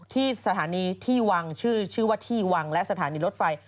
ที่สถานีที่วังชื่อว่าที่วังและสถานีรถไฟ